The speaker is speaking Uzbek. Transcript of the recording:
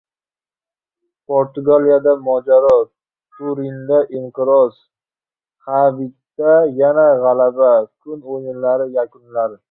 Portugaliyada mojaro, Turinda inqiroz, Xavida yana g‘alaba. Kun o‘yinlari yakunlari